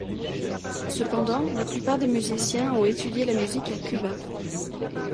Cependant la plupart des musiciens ont étudié la musique à Cuba.